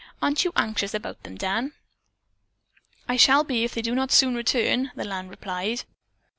Aren't you anxious about them, Dan?" "I shall be if they do not soon return," the lad replied.